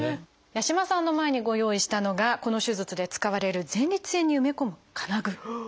八嶋さんの前にご用意したのがこの手術で使われる前立腺に埋め込む金具。